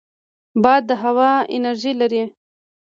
باد د هوا انرژي لري